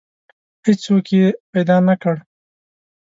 هیڅوک یې پیدا نه کړ.